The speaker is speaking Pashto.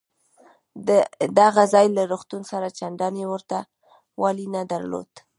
دغه ځای له روغتون سره چندانې ورته والی نه درلود.